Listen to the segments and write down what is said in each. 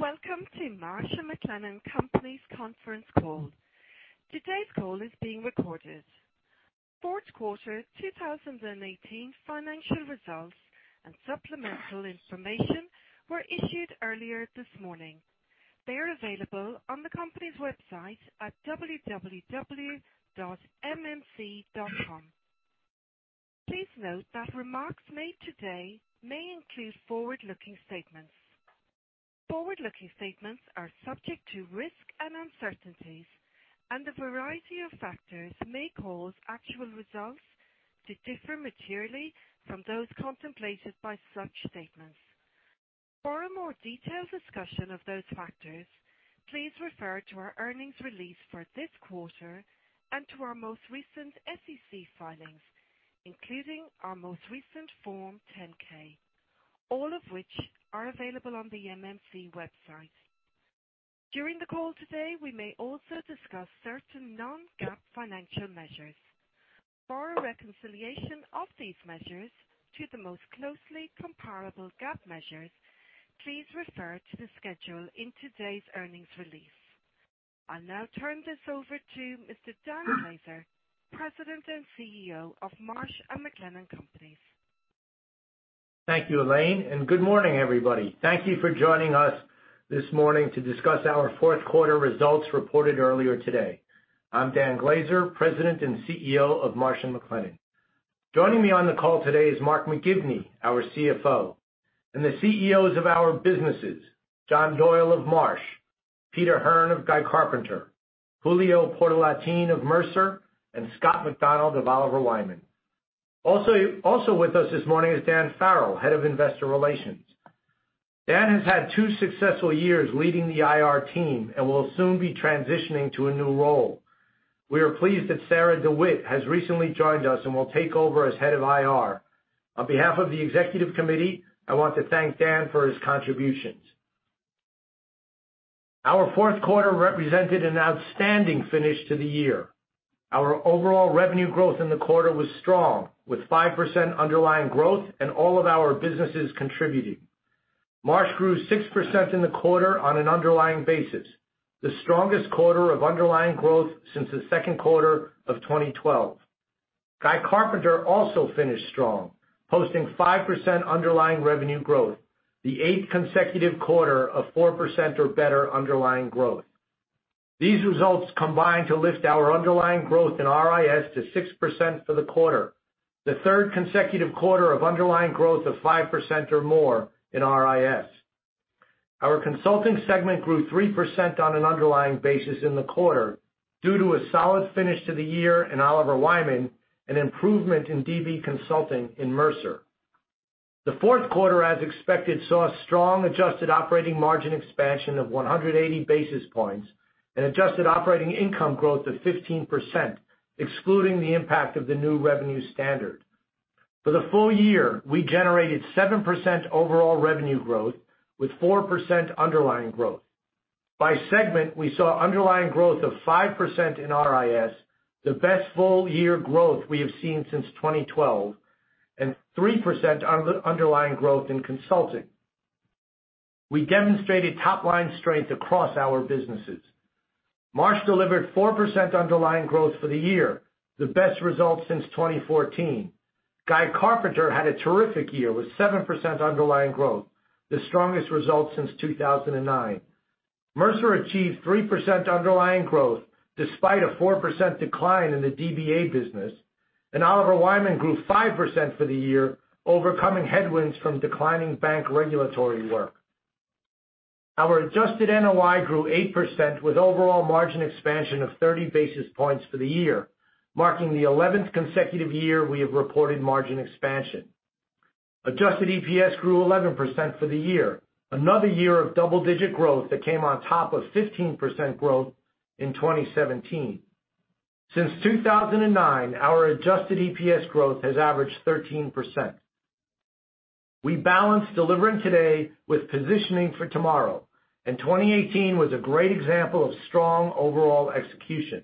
Welcome to Marsh & McLennan Companies conference call. Today's call is being recorded. Fourth quarter 2018 financial results and supplemental information were issued earlier this morning. They are available on the company's website at www.mmc.com. Please note that remarks made today may include forward-looking statements. Forward-looking statements are subject to risk and uncertainties, and a variety of factors may cause actual results to differ materially from those contemplated by such statements. For a more detailed discussion of those factors, please refer to our earnings release for this quarter and to our most recent SEC filings, including our most recent Form 10-K, all of which are available on the MMC website. During the call today, we may also discuss certain non-GAAP financial measures. For a reconciliation of these measures to the most closely comparable GAAP measures, please refer to the schedule in today's earnings release. I'll now turn this over to Mr. Dan Glaser, President and CEO of Marsh & McLennan Companies. Thank you, Elaine. Good morning, everybody. Thank you for joining us this morning to discuss our fourth quarter results reported earlier today. I'm Dan Glaser, President and CEO of Marsh & McLennan. Joining me on the call today is Mark McGivney, our CFO, and the CEOs of our businesses, John Doyle of Marsh, Peter Hearn of Guy Carpenter, Julio Portalatin of Mercer, and Scott McDonald of Oliver Wyman. Also with us this morning is Dan Farrell, Head of Investor Relations. Dan has had two successful years leading the IR team and will soon be transitioning to a new role. We are pleased that Sarah DeWitt has recently joined us and will take over as head of IR. On behalf of the executive committee, I want to thank Dan for his contributions. Our fourth quarter represented an outstanding finish to the year. Our overall revenue growth in the quarter was strong, with 5% underlying growth and all of our businesses contributing. Marsh grew 6% in the quarter on an underlying basis, the strongest quarter of underlying growth since the second quarter of 2012. Guy Carpenter also finished strong, posting 5% underlying revenue growth, the eighth consecutive quarter of 4% or better underlying growth. These results combine to lift our underlying growth in RIS to 6% for the quarter, the third consecutive quarter of underlying growth of 5% or more in RIS. Our consulting segment grew 3% on an underlying basis in the quarter due to a solid finish to the year in Oliver Wyman and improvement in DB consulting in Mercer. The fourth quarter, as expected, saw strong adjusted operating margin expansion of 180 basis points and adjusted operating income growth of 15%, excluding the impact of the new revenue standard. For the full year, we generated 7% overall revenue growth with 4% underlying growth. By segment, we saw underlying growth of 5% in RIS, the best full year growth we have seen since 2012, and 3% underlying growth in consulting. We demonstrated top-line strength across our businesses. Marsh delivered 4% underlying growth for the year, the best result since 2014. Guy Carpenter had a terrific year with 7% underlying growth, the strongest result since 2009. Mercer achieved 3% underlying growth despite a 4% decline in the DBA business. Oliver Wyman grew 5% for the year, overcoming headwinds from declining bank regulatory work. Our adjusted NOI grew 8% with overall margin expansion of 30 basis points for the year, marking the 11th consecutive year we have reported margin expansion. Adjusted EPS grew 11% for the year, another year of double-digit growth that came on top of 15% growth in 2017. Since 2009, our adjusted EPS growth has averaged 13%. We balance delivering today with positioning for tomorrow, 2018 was a great example of strong overall execution.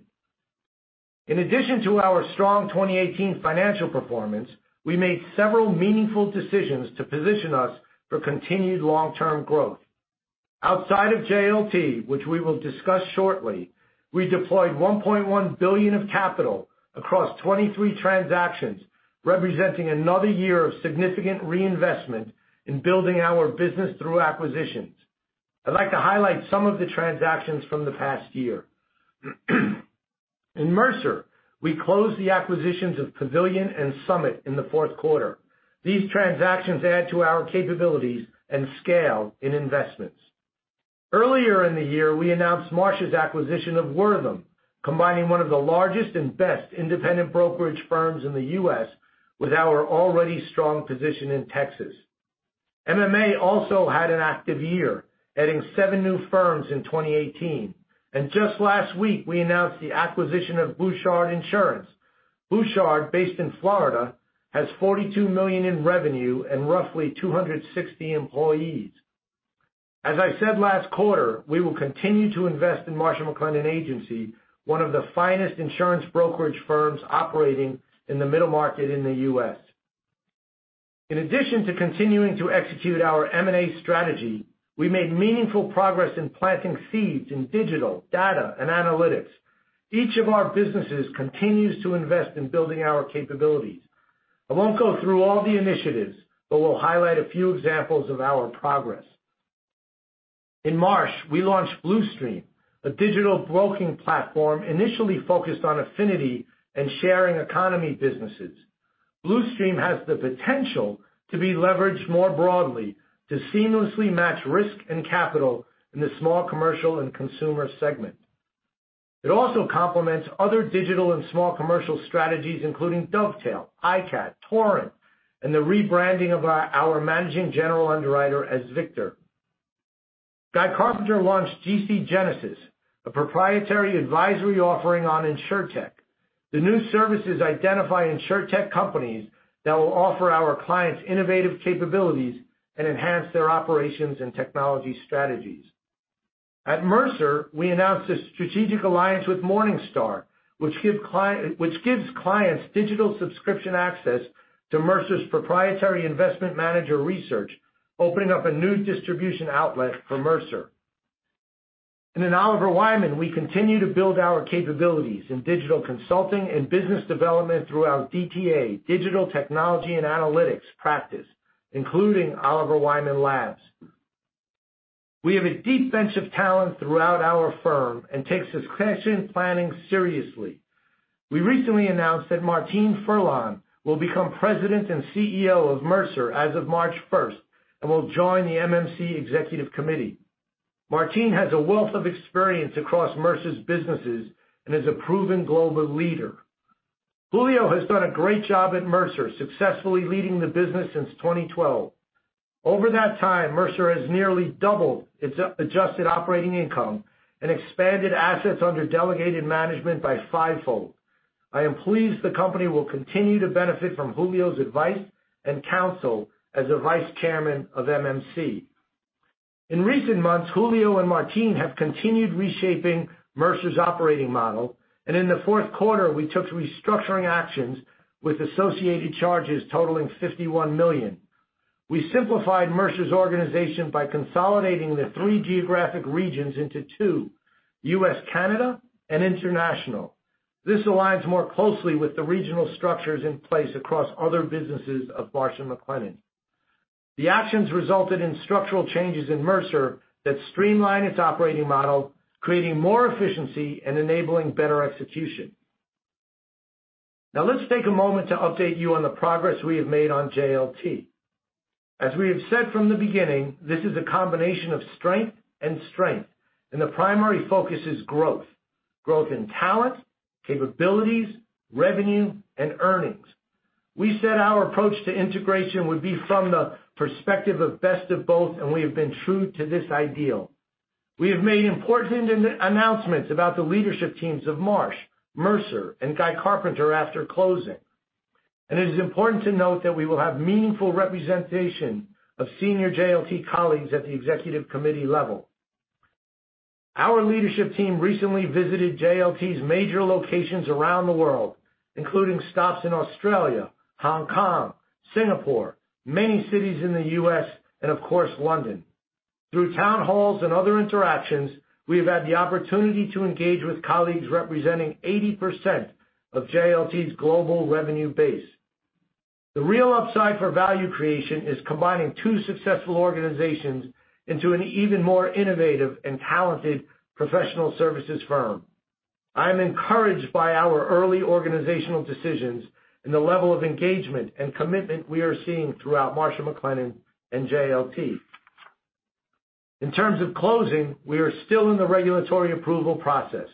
In addition to our strong 2018 financial performance, we made several meaningful decisions to position us for continued long-term growth. Outside of JLT, which we will discuss shortly, we deployed $1.1 billion of capital across 23 transactions, representing another year of significant reinvestment in building our business through acquisitions. I'd like to highlight some of the transactions from the past year. In Mercer, we closed the acquisitions of Pavilion and Summit in the fourth quarter. These transactions add to our capabilities and scale in investments. Earlier in the year, we announced Marsh's acquisition of Wortham, combining one of the largest and best independent brokerage firms in the U.S. with our already strong position in Texas. MMA also had an active year, adding seven new firms in 2018. Just last week, we announced the acquisition of Bouchard Insurance. Bouchard, based in Florida, has $42 million in revenue and roughly 260 employees. As I said last quarter, we will continue to invest in Marsh & McLennan Agency, one of the finest insurance brokerage firms operating in the middle market in the U.S. In addition to continuing to execute our M&A strategy, we made meaningful progress in planting seeds in digital, data, and analytics. Each of our businesses continues to invest in building our capabilities. I won't go through all the initiatives, but will highlight a few examples of our progress. In Marsh, we launched Blue Stream, a digital broking platform initially focused on affinity and sharing economy businesses. Blue Stream has the potential to be leveraged more broadly to seamlessly match risk and capital in the small commercial and consumer segment. It also complements other digital and small commercial strategies, including Dovetail, ICAT, Torrent, and the rebranding of our managing general underwriter as Victor. Guy Carpenter launched GC Genesis, a proprietary advisory offering on Insurtech. The new services identify Insurtech companies that will offer our clients innovative capabilities and enhance their operations and technology strategies. At Mercer, we announced a strategic alliance with Morningstar, which gives clients digital subscription access to Mercer's proprietary investment manager research, opening up a new distribution outlet for Mercer. At Oliver Wyman, we continue to build our capabilities in digital consulting and business development through our DTA, Digital, Technology and Analytics practice, including Oliver Wyman Labs. We have a deep bench of talent throughout our firm and takes succession planning seriously. We recently announced that Martine Ferland will become President and CEO of Mercer as of March 1st, and will join the MMC Executive Committee. Martine has a wealth of experience across Mercer's businesses and is a proven global leader. Julio has done a great job at Mercer, successfully leading the business since 2012. Over that time, Mercer has nearly doubled its adjusted operating income and expanded assets under delegated management by fivefold. I am pleased the company will continue to benefit from Julio's advice and counsel as a Vice Chairman of MMC. In recent months, Julio and Martine have continued reshaping Mercer's operating model, and in the fourth quarter, we took restructuring actions with associated charges totaling $51 million. We simplified Mercer's organization by consolidating the three geographic regions into two, U.S.-Canada and International. This aligns more closely with the regional structures in place across other businesses of Marsh & McLennan. The actions resulted in structural changes in Mercer that streamline its operating model, creating more efficiency and enabling better execution. Now let's take a moment to update you on the progress we have made on JLT. As we have said from the beginning, this is a combination of strength and strength, and the primary focus is growth in talent, capabilities, revenue, and earnings. We said our approach to integration would be from the perspective of best of both, and we have been true to this ideal. We have made important announcements about the leadership teams of Marsh, Mercer, and Guy Carpenter after closing. It is important to note that we will have meaningful representation of senior JLT colleagues at the Executive Committee level. Our leadership team recently visited JLT's major locations around the world, including stops in Australia, Hong Kong, Singapore, many cities in the U.S., and of course, London. Through town halls and other interactions, we have had the opportunity to engage with colleagues representing 80% of JLT's global revenue base. The real upside for value creation is combining two successful organizations into an even more innovative and talented professional services firm. I am encouraged by our early organizational decisions and the level of engagement and commitment we are seeing throughout Marsh & McLennan and JLT. In terms of closing, we are still in the regulatory approval process.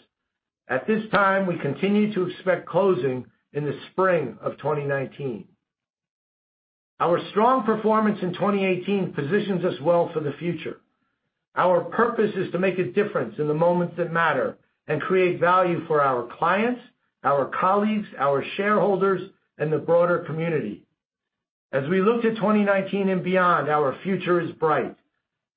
At this time, we continue to expect closing in the spring of 2019. Our strong performance in 2018 positions us well for the future. Our purpose is to make a difference in the moments that matter and create value for our clients, our colleagues, our shareholders, and the broader community. As we look to 2019 and beyond, our future is bright.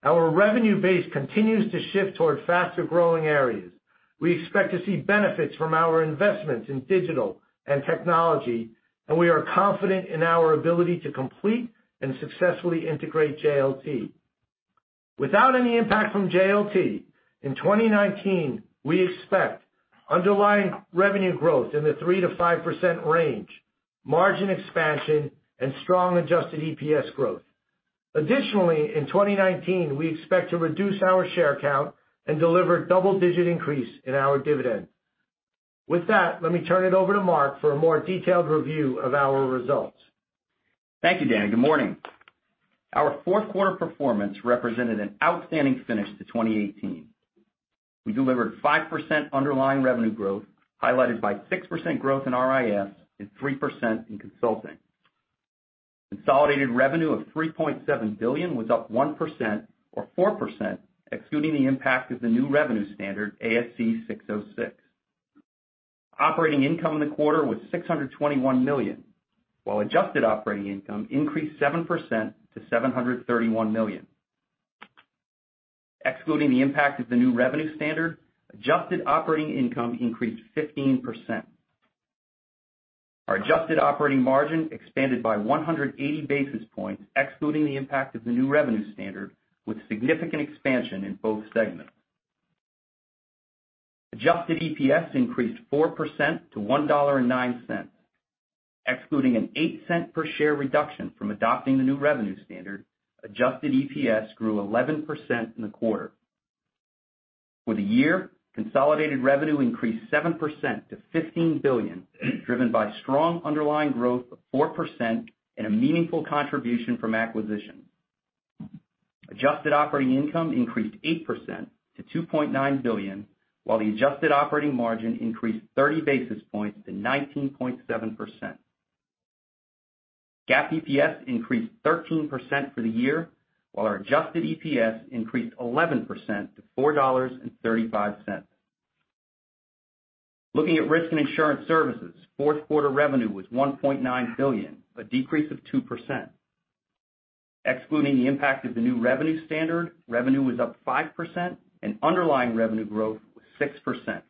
Our revenue base continues to shift toward faster-growing areas. We expect to see benefits from our investments in digital and technology, and we are confident in our ability to complete and successfully integrate JLT. Without any impact from JLT, in 2019, we expect underlying revenue growth in the 3%-5% range, margin expansion, and strong adjusted EPS growth. Additionally, in 2019, we expect to reduce our share count and deliver double-digit increase in our dividend. With that, let me turn it over to Mark for a more detailed review of our results. Thank you, Dan. Good morning. Our fourth quarter performance represented an outstanding finish to 2018. We delivered 5% underlying revenue growth, highlighted by 6% growth in RIS and 3% in consulting. Consolidated revenue of $3.7 billion was up 1%, or 4%, excluding the impact of the new revenue standard, ASC 606. Operating income in the quarter was $621 million, while adjusted operating income increased 7% to $731 million. Excluding the impact of the new revenue standard, adjusted operating income increased 15%. Our adjusted operating margin expanded by 180 basis points, excluding the impact of the new revenue standard, with significant expansion in both segments. Adjusted EPS increased 4% to $1.09. Excluding an $0.08 per share reduction from adopting the new revenue standard, adjusted EPS grew 11% in the quarter. For the year, consolidated revenue increased 7% to $15 billion, driven by strong underlying growth of 4% and a meaningful contribution from acquisition. Adjusted operating income increased 8% to $2.9 billion, while the adjusted operating margin increased 30 basis points to 19.7%. GAAP EPS increased 13% for the year, while our adjusted EPS increased 11% to $4.35. Looking at Risk and Insurance Services, fourth quarter revenue was $1.9 billion, a decrease of 2%. Excluding the impact of the new revenue standard, revenue was up 5%, and underlying revenue growth was 6%.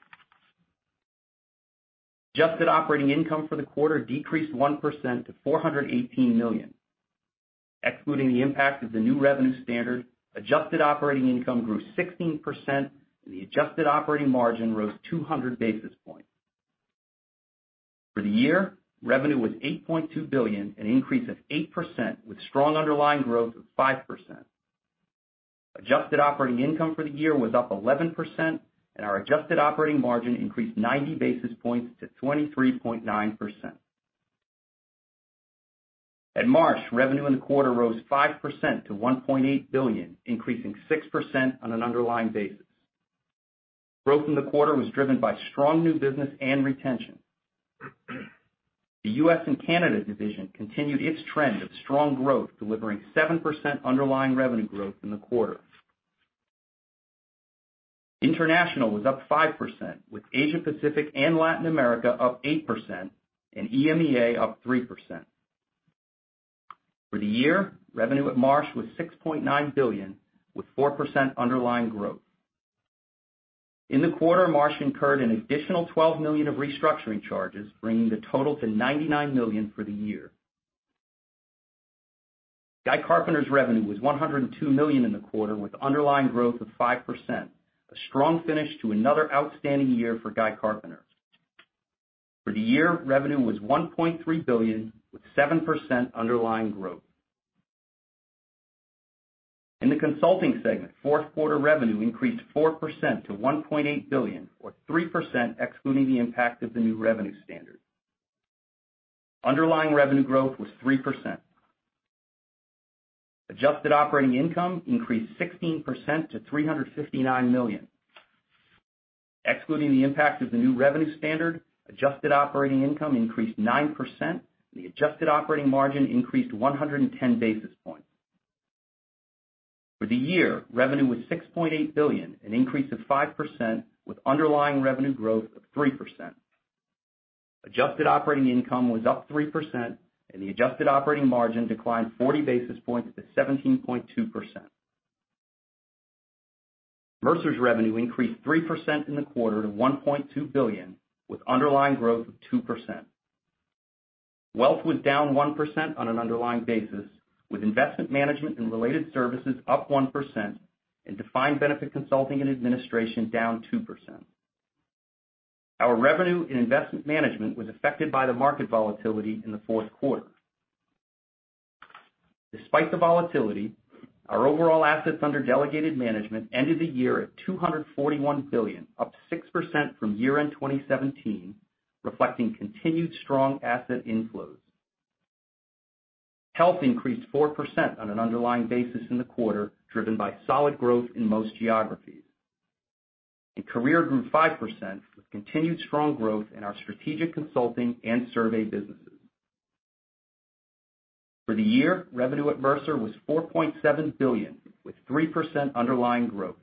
Adjusted operating income for the quarter decreased 1% to $418 million. Excluding the impact of the new revenue standard, adjusted operating income grew 16%, and the adjusted operating margin rose 200 basis points. For the year, revenue was $8.2 billion, an increase of 8%, with strong underlying growth of 5%. Adjusted operating income for the year was up 11%, and our adjusted operating margin increased 90 basis points to 23.9%. At Marsh, revenue in the quarter rose 5% to $1.8 billion, increasing 6% on an underlying basis. Growth in the quarter was driven by strong new business and retention. The U.S. and Canada division continued its trend of strong growth, delivering 7% underlying revenue growth in the quarter. International was up 5%, with Asia Pacific and Latin America up 8%, and EMEA up 3%. For the year, revenue at Marsh was $6.9 billion, with 4% underlying growth. In the quarter, Marsh incurred an additional $12 million of restructuring charges, bringing the total to $99 million for the year. Guy Carpenter's revenue was $102 million in the quarter, with underlying growth of 5%, a strong finish to another outstanding year for Guy Carpenter. For the year, revenue was $1.3 billion, with 7% underlying growth. In the Consulting segment, fourth quarter revenue increased 4% to $1.8 billion, or 3% excluding the impact of the new revenue standard. Underlying revenue growth was 3%. Adjusted operating income increased 16% to $359 million. Excluding the impact of the new revenue standard, adjusted operating income increased 9%, and the adjusted operating margin increased 110 basis points. For the year, revenue was $6.8 billion, an increase of 5%, with underlying revenue growth of 3%. Adjusted operating income was up 3%, and the adjusted operating margin declined 40 basis points to 17.2%. Mercer's revenue increased 3% in the quarter to $1.2 billion, with underlying growth of 2%. Wealth was down 1% on an underlying basis, with investment management and related services up 1%, and defined benefit consulting and administration down 2%. Our revenue in investment management was affected by the market volatility in the fourth quarter. Despite the volatility, our overall assets under delegated management ended the year at $241 billion, up 6% from year-end 2017, reflecting continued strong asset inflows. Health increased 4% on an underlying basis in the quarter, driven by solid growth in most geographies. Career grew 5%, with continued strong growth in our strategic consulting and survey businesses. For the year, revenue at Mercer was $4.7 billion, with 3% underlying growth.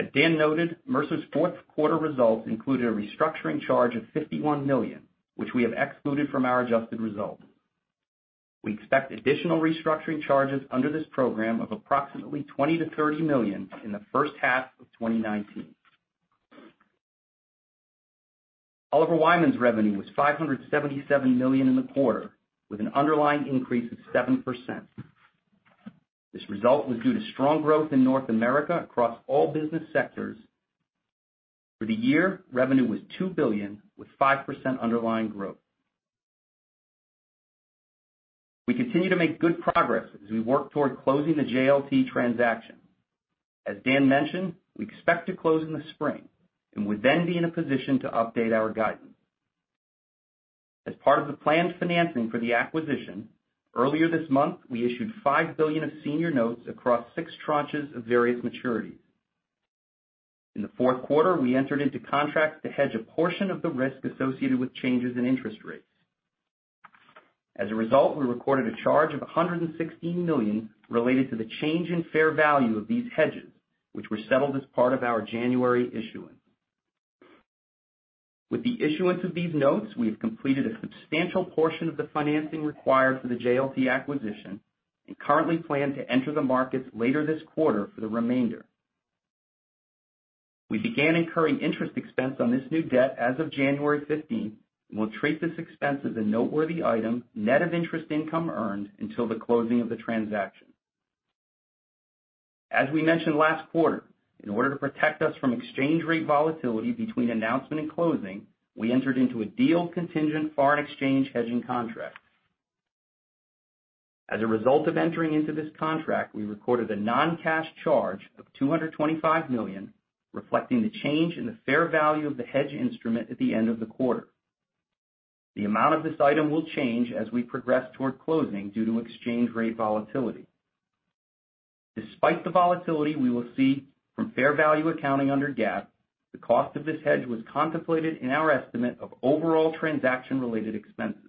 As Dan noted, Mercer's fourth quarter results included a restructuring charge of $51 million, which we have excluded from our adjusted results. We expect additional restructuring charges under this program of approximately $20 million-$30 million in the first half of 2019. Oliver Wyman's revenue was $577 million in the quarter, with an underlying increase of 7%. This result was due to strong growth in North America across all business sectors. For the year, revenue was $2 billion, with 5% underlying growth. We continue to make good progress as we work toward closing the JLT transaction. As Dan mentioned, we expect to close in the spring. We would then be in a position to update our guidance. As part of the planned financing for the acquisition, earlier this month, we issued $5 billion of senior notes across six tranches of various maturities. In the fourth quarter, we entered into contracts to hedge a portion of the risk associated with changes in interest rates. As a result, we recorded a charge of $116 million related to the change in fair value of these hedges, which were settled as part of our January issuance. With the issuance of these notes, we have completed a substantial portion of the financing required for the JLT acquisition. We currently plan to enter the markets later this quarter for the remainder. We began incurring interest expense on this new debt as of January 15th. We'll treat this expense as a noteworthy item net of interest income earned until the closing of the transaction. As we mentioned last quarter, in order to protect us from exchange rate volatility between announcement and closing, we entered into a deal-contingent foreign exchange hedging contract. As a result of entering into this contract, we recorded a non-cash charge of $225 million, reflecting the change in the fair value of the hedge instrument at the end of the quarter. The amount of this item will change as we progress toward closing due to exchange rate volatility. Despite the volatility we will see from fair value accounting under GAAP, the cost of this hedge was contemplated in our estimate of overall transaction-related expenses.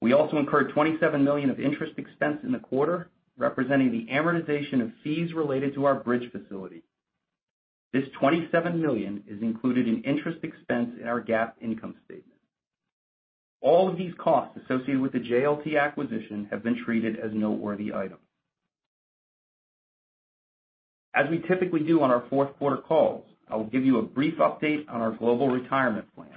We also incurred $27 million of interest expense in the quarter, representing the amortization of fees related to our bridge facility. This $27 million is included in interest expense in our GAAP income statement. All of these costs associated with the JLT acquisition have been treated as noteworthy items. As we typically do on our fourth quarter calls, I will give you a brief update on our global retirement plans.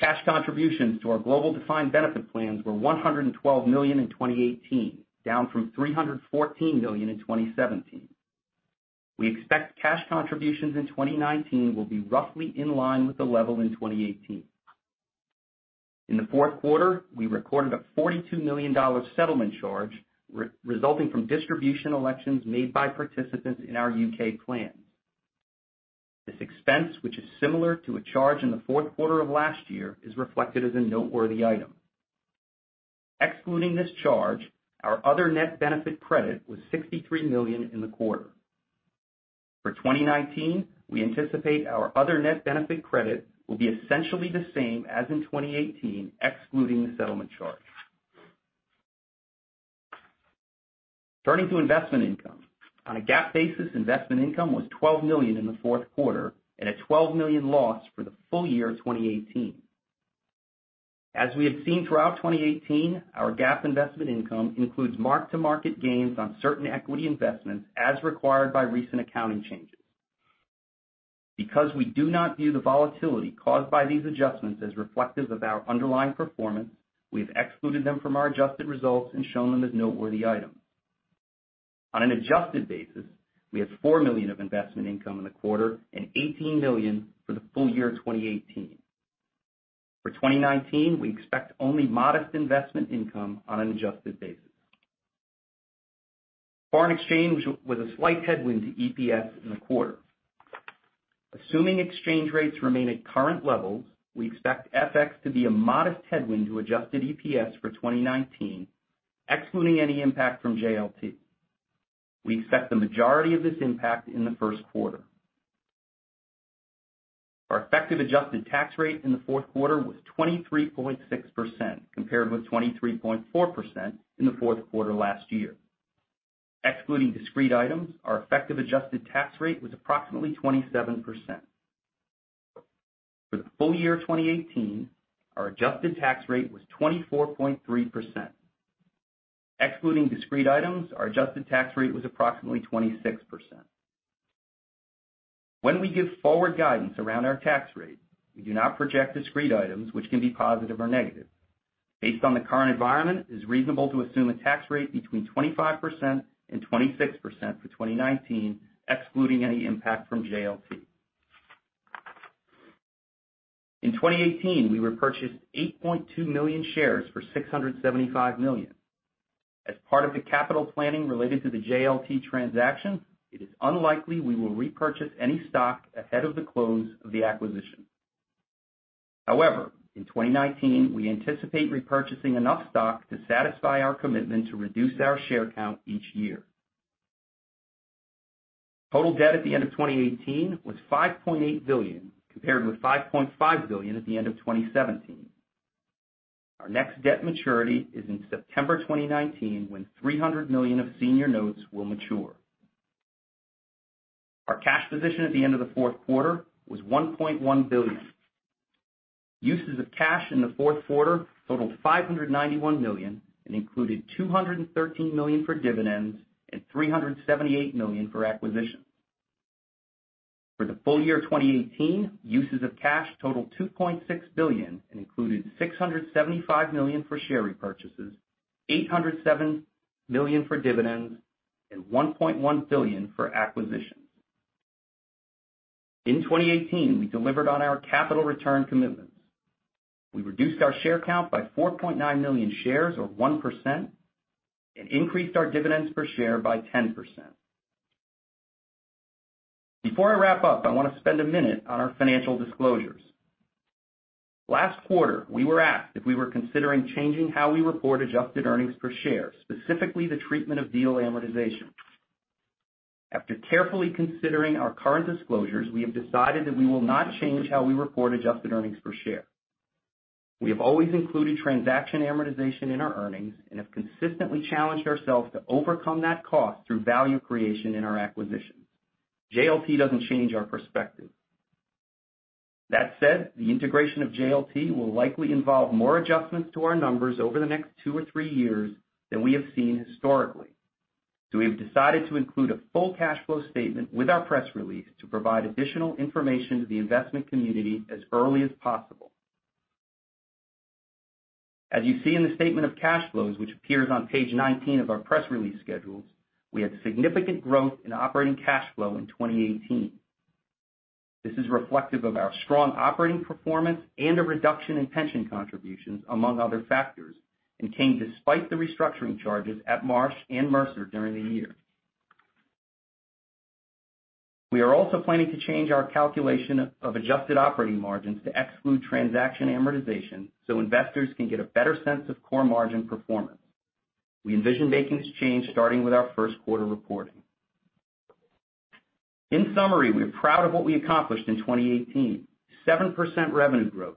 Cash contributions to our global defined benefit plans were $112 million in 2018, down from $314 million in 2017. We expect cash contributions in 2019 will be roughly in line with the level in 2018. In the fourth quarter, we recorded a $42 million settlement charge resulting from distribution elections made by participants in our U.K. plan. This expense, which is similar to a charge in the fourth quarter of last year, is reflected as a noteworthy item. Excluding this charge, our other net benefit credit was $63 million in the quarter. For 2019, we anticipate our other net benefit credit will be essentially the same as in 2018, excluding the settlement charge. Turning to investment income. On a GAAP basis, investment income was $12 million in the fourth quarter and a $12 million loss for the full year 2018. As we have seen throughout 2018, our GAAP investment income includes mark-to-market gains on certain equity investments, as required by recent accounting changes. Because we do not view the volatility caused by these adjustments as reflective of our underlying performance, we have excluded them from our adjusted results and shown them as noteworthy items. On an adjusted basis, we had $4 million of investment income in the quarter and $18 million for the full year 2018. For 2019, we expect only modest investment income on an adjusted basis. Foreign exchange was a slight headwind to EPS in the quarter. Assuming exchange rates remain at current levels, we expect FX to be a modest headwind to adjusted EPS for 2019, excluding any impact from JLT. We expect the majority of this impact in the first quarter. Our effective adjusted tax rate in the fourth quarter was 23.6%, compared with 23.4% in the fourth quarter last year. Excluding discrete items, our effective adjusted tax rate was approximately 27%. For the full year 2018, our adjusted tax rate was 24.3%. Excluding discrete items, our adjusted tax rate was approximately 26%. When we give forward guidance around our tax rate, we do not project discrete items, which can be positive or negative. Based on the current environment, it is reasonable to assume a tax rate between 25% and 26% for 2019, excluding any impact from JLT. In 2018, we repurchased 8.2 million shares for $675 million. As part of the capital planning related to the JLT transaction, it is unlikely we will repurchase any stock ahead of the close of the acquisition. However, in 2019, we anticipate repurchasing enough stock to satisfy our commitment to reduce our share count each year. Total debt at the end of 2018 was $5.8 billion, compared with $5.5 billion at the end of 2017. Our next debt maturity is in September 2019, when $300 million of senior notes will mature. Our cash position at the end of the fourth quarter was $1.1 billion. Uses of cash in the fourth quarter totaled $591 million and included $213 million for dividends and $378 million for acquisitions. For the full year 2018, uses of cash totaled $2.6 billion and included $675 million for share repurchases, $807 million for dividends, and $1.1 billion for acquisitions. In 2018, we delivered on our capital return commitments. We reduced our share count by 4.9 million shares, or 1%, and increased our dividends per share by 10%. Before I wrap up, I want to spend a minute on our financial disclosures. Last quarter, we were asked if we were considering changing how we report adjusted earnings per share, specifically the treatment of deal amortization. After carefully considering our current disclosures, we have decided that we will not change how we report adjusted earnings per share. We have always included transaction amortization in our earnings and have consistently challenged ourselves to overcome that cost through value creation in our acquisitions. JLT doesn't change our perspective. That said, the integration of JLT will likely involve more adjustments to our numbers over the next two or three years than we have seen historically. So we have decided to include a full cash flow statement with our press release to provide additional information to the investment community as early as possible. As you see in the statement of cash flows, which appears on page 19 of our press release schedules, we had significant growth in operating cash flow in 2018. This is reflective of our strong operating performance and a reduction in pension contributions, among other factors, and came despite the restructuring charges at Marsh and Mercer during the year. We are also planning to change our calculation of adjusted operating margins to exclude transaction amortization so investors can get a better sense of core margin performance. We envision making this change starting with our first quarter reporting. In summary, we're proud of what we accomplished in 2018. 7% revenue growth,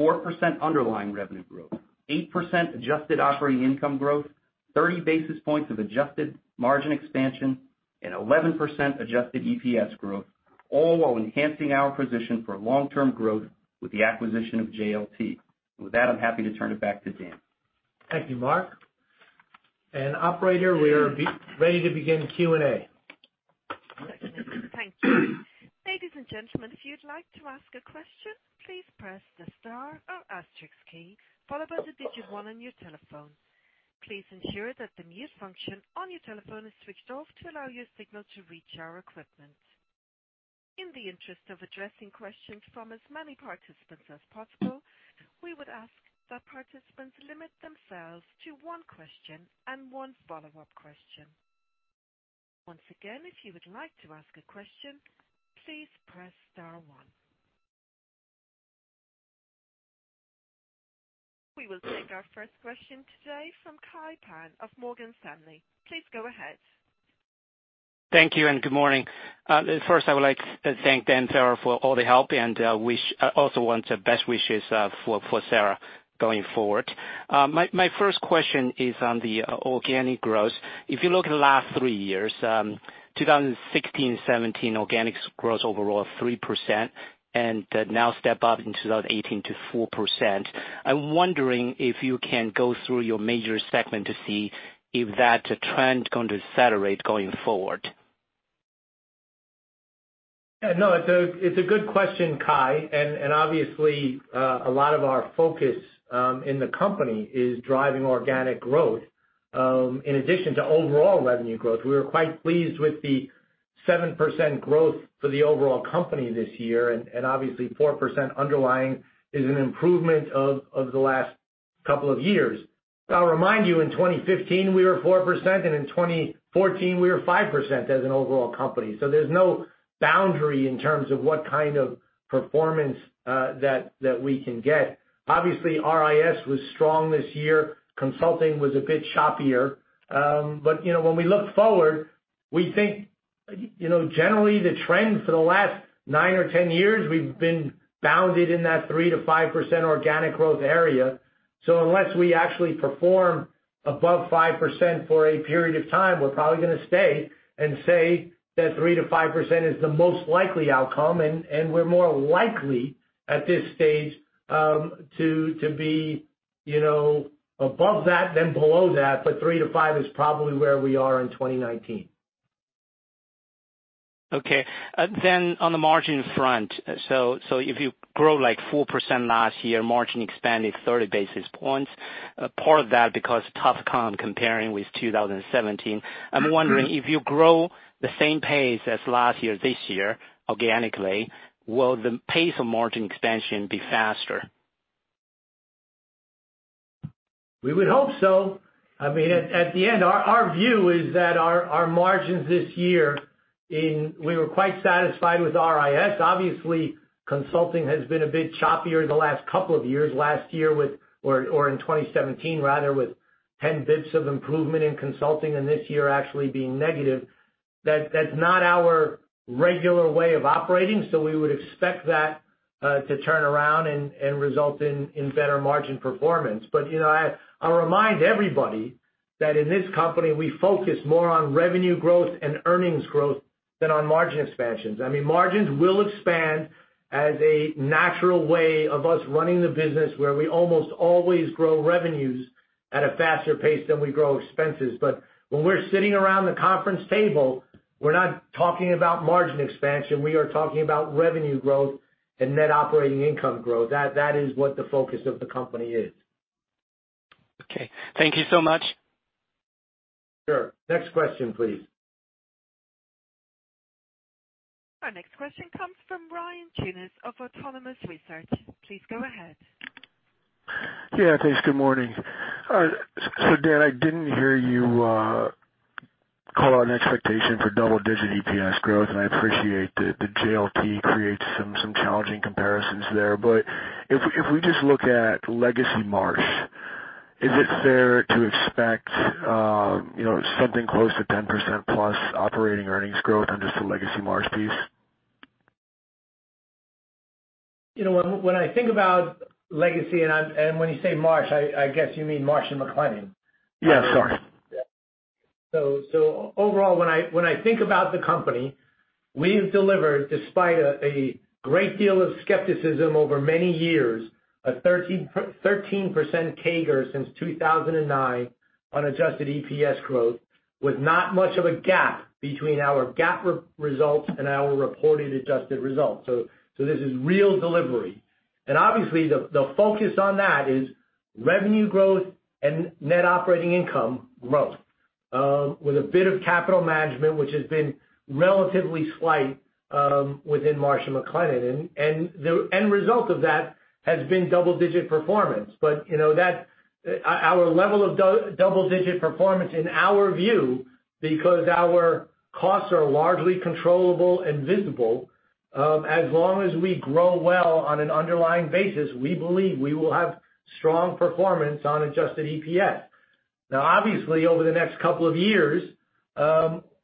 4% underlying revenue growth, 8% adjusted operating income growth, 30 basis points of adjusted margin expansion, and 11% adjusted EPS growth, all while enhancing our position for long-term growth with the acquisition of JLT. With that, I'm happy to turn it back to Dan. Thank you, Mark. Operator, we are ready to begin Q&A. Thank you. Ladies and gentlemen, if you'd like to ask a question, please press the star or asterisk key followed by the digit 1 on your telephone. Please ensure that the mute function on your telephone is switched off to allow your signal to reach our equipment. In the interest of addressing questions from as many participants as possible, we would ask that participants limit themselves to one question and one follow-up question. Once again, if you would like to ask a question, please press star one. We will take our first question today from Kai Pan of Morgan Stanley. Please go ahead. Thank you and good morning. First I would like to thank Dan Farrell for all the help and also want best wishes for Sarah going forward. My first question is on the organic growth. If you look at the last three years, 2016 and 2017, organic growth overall of 3% and now step up in 2018 to 4%. I am wondering if you can go through your major segments to see if that trend going to accelerate going forward. It's a good question, Kai, obviously, a lot of our focus in the company is driving organic growth. In addition to overall revenue growth, we were quite pleased with the 7% growth for the overall company this year, and obviously 4% underlying is an improvement of the last couple of years. I will remind you, in 2015, we were 4%, and in 2014, we were 5% as an overall company. There is no boundary in terms of what kind of performance that we can get. Obviously, RIS was strong this year. Consulting was a bit choppier. When we look forward, we think, generally the trend for the last 9 or 10 years, we have been bounded in that 3%-5% organic growth area. Unless we actually perform above 5% for a period of time, we are probably going to stay and say that 3%-5% is the most likely outcome, and we are more likely at this stage to be above that than below that. Three to five is probably where we are in 2019. Okay. On the margin front, if you grow like 4% last year, margin expanded 30 basis points, part of that because tough comp comparing with 2017. I am wondering if you grow the same pace as last year, this year, organically, will the pace of margin expansion be faster? We would hope so. I mean, at the end, our view is that our margins. We were quite satisfied with RIS. Obviously, consulting has been a bit choppier the last couple of years, last year with or in 2017 rather, with 10 basis points of improvement in consulting, and this year actually being negative. That's not our regular way of operating, so we would expect that to turn around and result in better margin performance. I'll remind everybody that in this company, we focus more on revenue growth and earnings growth than on margin expansions. I mean, margins will expand as a natural way of us running the business where we almost always grow revenues at a faster pace than we grow expenses. When we're sitting around the conference table, we're not talking about margin expansion. We are talking about revenue growth and net operating income growth. That is what the focus of the company is. Okay. Thank you so much. Sure. Next question, please. Our next question comes from Ryan Tunis of Autonomous Research. Please go ahead. Yeah, thanks. Good morning. Dan, I didn't hear you call out an expectation for double-digit EPS growth. I appreciate that JLT creates some challenging comparisons there. If we just look at legacy Marsh, is it fair to expect something close to 10% plus operating earnings growth on just the legacy Marsh piece? When I think about legacy, when you say Marsh, I guess you mean Marsh & McLennan? Yes. Sorry. When I think about the company, we have delivered, despite a great deal of skepticism over many years, a 13% CAGR since 2009 on adjusted EPS growth with not much of a gap between our GAAP results and our reported adjusted results. This is real delivery. Obviously the focus on that is revenue growth and net operating income growth, with a bit of capital management, which has been relatively slight within Marsh & McLennan. The end result of that has been double-digit performance. Our level of double-digit performance in our view, because our costs are largely controllable and visible, as long as we grow well on an underlying basis, we believe we will have strong performance on adjusted EPS. Obviously over the next couple of years,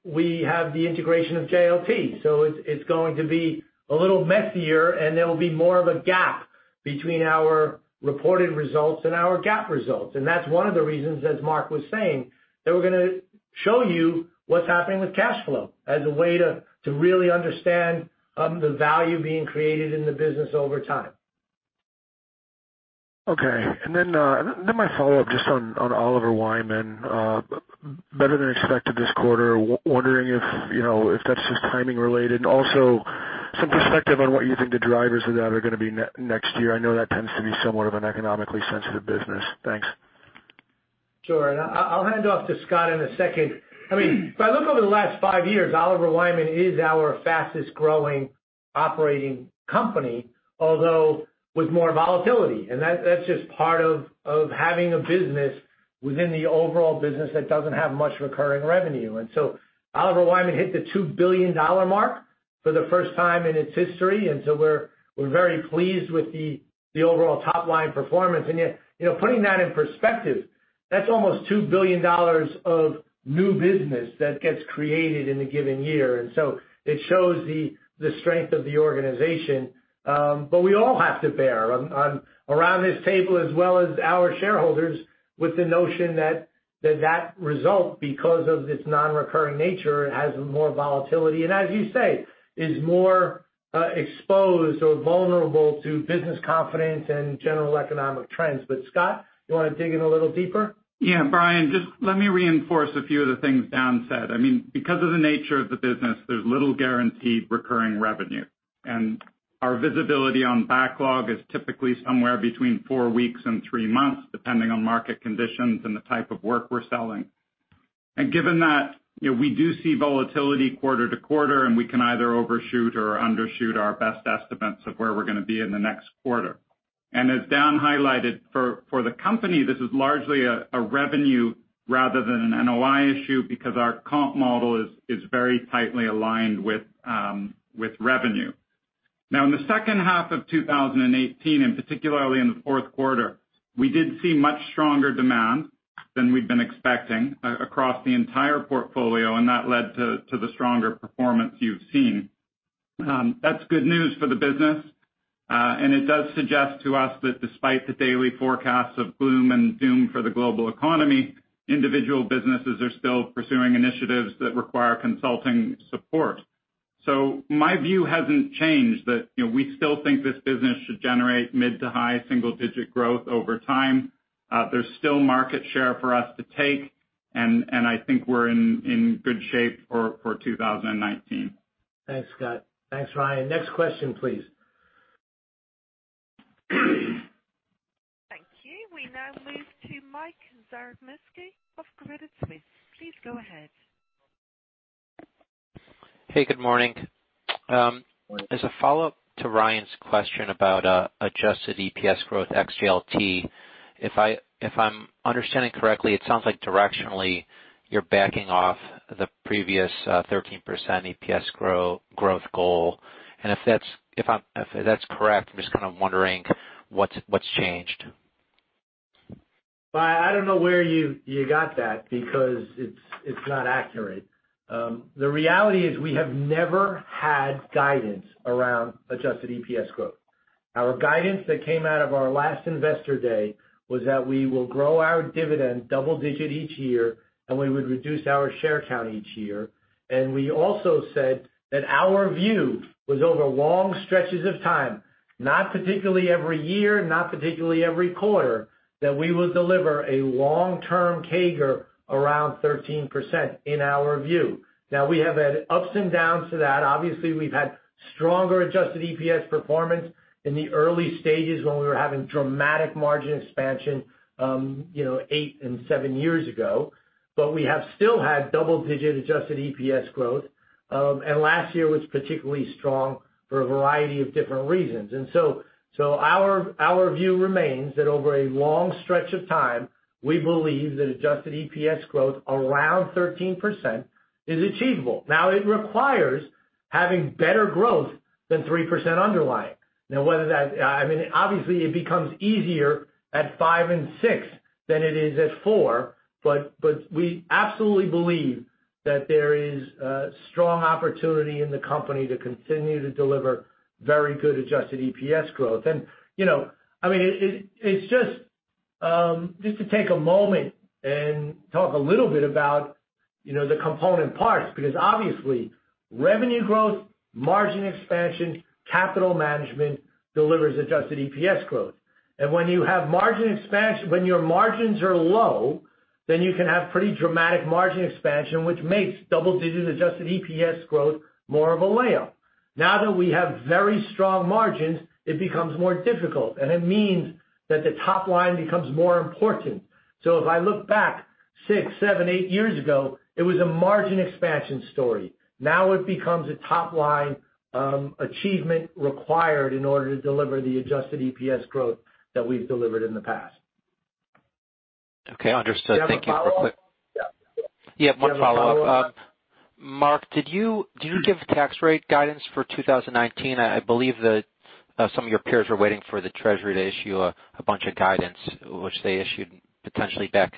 we have the integration of JLT. It's going to be a little messier and there will be more of a gap between our reported results and our GAAP results. That's one of the reasons, as Mark was saying, that we're going to show you what's happening with cash flow as a way to really understand the value being created in the business over time. Okay. My follow-up just on Oliver Wyman, better than expected this quarter. Wondering if that's just timing related. Also, some perspective on what you think the drivers of that are going to be next year. I know that tends to be somewhat of an economically sensitive business. Thanks. Sure. I'll hand off to Scott in a second. If I look over the last five years, Oliver Wyman is our fastest growing operating company, although with more volatility. That's just part of having a business within the overall business that doesn't have much recurring revenue. Oliver Wyman hit the $2 billion mark for the first time in its history. We're very pleased with the overall top-line performance. Yet, putting that in perspective, that's almost $2 billion of new business that gets created in a given year. It shows the strength of the organization. We all have to bear, around this table as well as our shareholders, with the notion that result because of its non-recurring nature, has more volatility, and as you say, is more exposed or vulnerable to business confidence and general economic trends. Scott, you want to dig in a little deeper? Yeah. Ryan, just let me reinforce a few of the things Dan said. Because of the nature of the business, there's little guaranteed recurring revenue. Our visibility on backlog is typically somewhere between four weeks and three months, depending on market conditions and the type of work we're selling. Given that, we do see volatility quarter-to-quarter, and we can either overshoot or undershoot our best estimates of where we're going to be in the next quarter. As Dan highlighted, for the company, this is largely a revenue rather than an NOI issue because our comp model is very tightly aligned with revenue. Now in the second half of 2018, and particularly in the fourth quarter, we did see much stronger demand than we'd been expecting across the entire portfolio, and that led to the stronger performance you've seen. That's good news for the business. It does suggest to us that despite the daily forecasts of gloom and doom for the global economy, individual businesses are still pursuing initiatives that require consulting support. My view hasn't changed that we still think this business should generate mid to high single digit growth over time. There's still market share for us to take, and I think we're in good shape for 2019. Thanks, Scott. Thanks, Ryan. Next question, please. Thank you. We now move to Mike Zaremski of Credit Suisse. Please go ahead. Hey, good morning. As a follow-up to Ryan's question about adjusted EPS growth ex JLT, if I'm understanding correctly, it sounds like directionally you're backing off the previous 13% EPS growth goal. If that's correct, I'm just kind of wondering what's changed. I don't know where you got that because it's not accurate. The reality is we have never had guidance around adjusted EPS growth. Our guidance that came out of our last investor day was that we will grow our dividend double-digit each year, and we would reduce our share count each year. We also said that our view was over long stretches of time, not particularly every year, not particularly every quarter, that we will deliver a long-term CAGR around 13%, in our view. We have had ups and downs to that. Obviously, we've had stronger adjusted EPS performance in the early stages when we were having dramatic margin expansion eight and seven years ago. We have still had double-digit adjusted EPS growth. Last year was particularly strong for a variety of different reasons. Our view remains that over a long stretch of time, we believe that adjusted EPS growth around 13% is achievable. It requires having better growth than 3% underlying. Obviously, it becomes easier at five and six than it is at four, we absolutely believe that there is a strong opportunity in the company to continue to deliver very good adjusted EPS growth. Just to take a moment and talk a little bit about the component parts, because obviously, revenue growth, margin expansion, capital management delivers adjusted EPS growth. When your margins are low, then you can have pretty dramatic margin expansion, which makes double-digit adjusted EPS growth more of a layup. That we have very strong margins, it becomes more difficult, and it means that the top line becomes more important. If I look back six, seven, eight years ago, it was a margin expansion story. Now it becomes a top-line achievement required in order to deliver the adjusted EPS growth that we've delivered in the past. Okay, understood. Thank you. Do you have a follow-up? Yeah. One follow-up. Mark, do you give tax rate guidance for 2019? I believe that some of your peers are waiting for the Treasury to issue a bunch of guidance, which they issued potentially back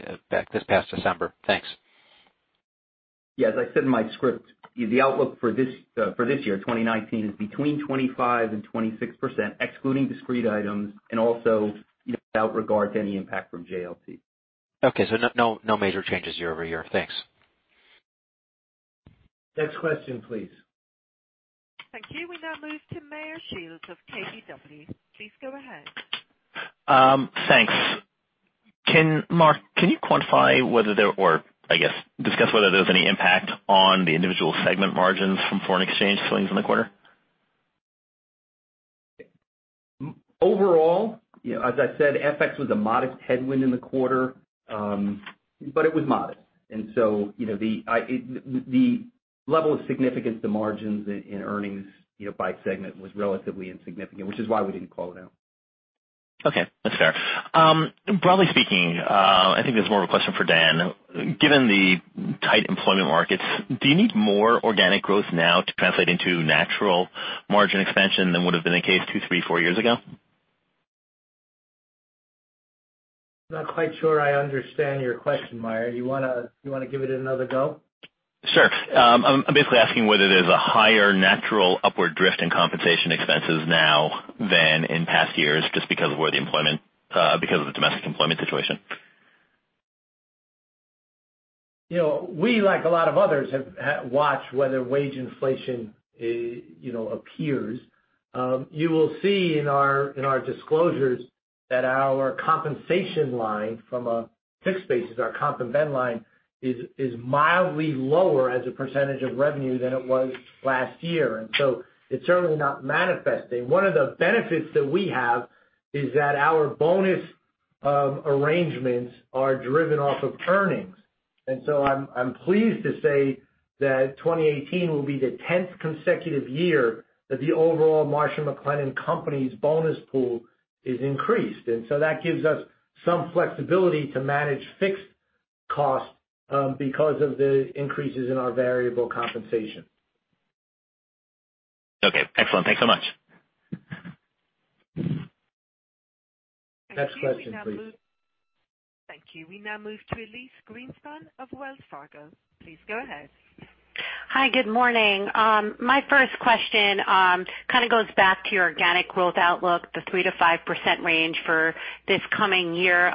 this past December. Thanks. Yeah. As I said in my script, the outlook for this year, 2019, is between 25% and 26%, excluding discrete items, and also without regard to any impact from JLT. Okay. No major changes year-over-year. Thanks. Next question, please. Thank you. We now move to Meyer Shields of KBW. Please go ahead. Thanks. Mark, can you quantify or I guess, discuss whether there's any impact on the individual segment margins from foreign exchange swings in the quarter? Overall, as I said, FX was a modest headwind in the quarter, but it was modest. So the level of significance to margins in earnings by segment was relatively insignificant, which is why we didn't call it out. Okay. That's fair. Broadly speaking, I think this is more of a question for Dan. Given the tight employment markets, do you need more organic growth now to translate into natural margin expansion than would've been the case two, three, four years ago? Not quite sure I understand your question, Meyer. You want to give it another go? Sure. I'm basically asking whether there's a higher natural upward drift in compensation expenses now than in past years, just because of the domestic employment situation. We, like a lot of others, have watched whether wage inflation appears. You will see in our disclosures that our compensation line from a fixed basis, our comp and ben line, is mildly lower as a percentage of revenue than it was last year. It's certainly not manifesting. One of the benefits that we have is that our bonus arrangements are driven off of earnings. I'm pleased to say that 2018 will be the 10th consecutive year that the overall Marsh & McLennan Companies' bonus pool is increased. That gives us some flexibility to manage fixed costs because of the increases in our variable compensation. Okay, excellent. Thanks so much. Next question, please. Thank you. We now move to Elyse Greenspan of Wells Fargo. Please go ahead. Hi. Good morning. My first question kind of goes back to your organic growth outlook, the 3%-5% range for this coming year.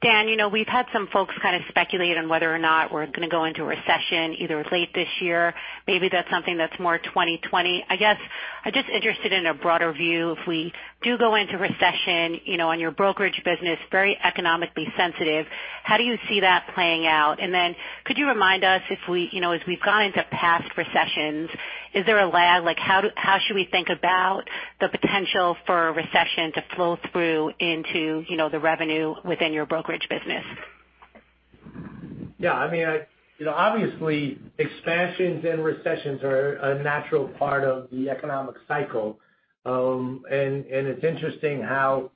Dan, we've had some folks kind of speculate on whether or not we're going to go into a recession, either it's late this year, maybe that's something that's more 2020. I guess I'm just interested in a broader view, if we do go into recession, on your brokerage business, very economically sensitive, how do you see that playing out? Then could you remind us as we've gone into past recessions, is there a lag? How should we think about the potential for a recession to flow through into the revenue within your brokerage business? Yeah. Obviously, expansions and recessions are a natural part of the economic cycle. It's interesting how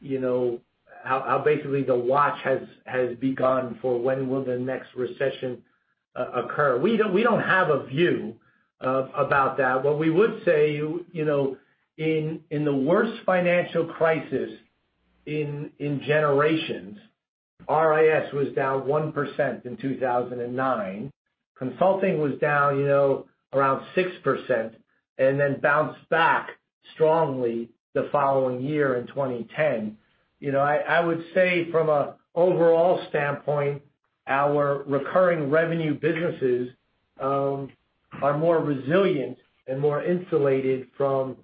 basically the watch has begun for when will the next recession occur. We don't have a view about that. What we would say, in the worst financial crisis in generations, RIS was down 1% in 2009. Consulting was down around 6% then bounced back strongly the following year in 2010. I would say from an overall standpoint, our recurring revenue businesses are more resilient and more insulated from